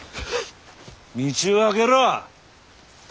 道を空けろ。